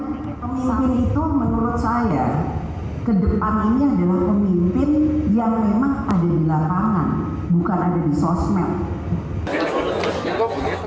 kedepan ini adalah pemimpin yang memang ada di lapangan bukan ada di sosmed